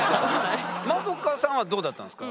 円さんはどうだったんですか？